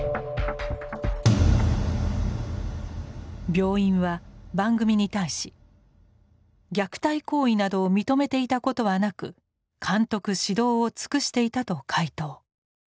病院は番組に対し「虐待行為などを認めていたことはなく監督指導を尽くしていた」と回答。